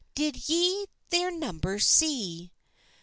Did ye their numbers see?